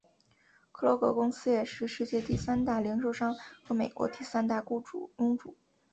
克罗格公司也是世界第三大零售商和美国第三大雇佣主。